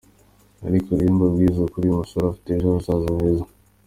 Ariko reka mbabwize ukuri uyu musore afite ejo hazaza heza.